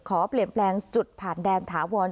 ขอเปลี่ยนแปลงจุดผ่านแดนถาวร